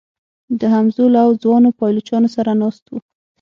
د همزولو او ځوانو پایلوچانو سره ناست و.